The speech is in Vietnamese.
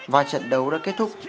và trận đấu đã kết thúc